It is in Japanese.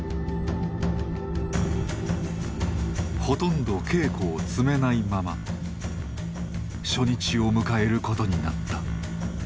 ほとんど稽古を積めないまま初日を迎えることになった。